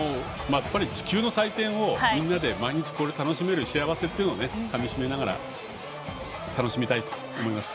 やっぱり地球の祭典をみんなで毎日楽しめる幸せをかみしめながら楽しみたいと思います。